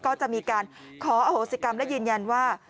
ก็จะมีการขออโหสิกรรมและยืนยันว่า